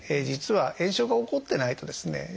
実は炎症が起こってないとですね